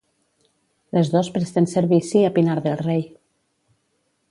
Les dos presten servici a Pinar del Rey.